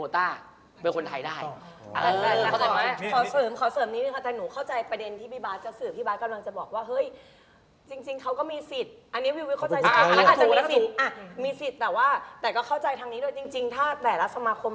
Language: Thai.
ถ้าเป็นลูกครึ่งเนี่ยเข้ามาจะเป็นโคต้านัก